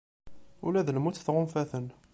Ula d lmut tɣunfa-ten